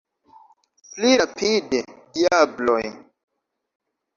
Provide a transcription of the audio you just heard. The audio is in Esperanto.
Pli rapide, diabloj!